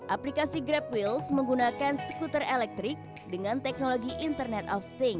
aplikasi grab wheels menggunakan skuter elektrik dengan teknologi internet of thing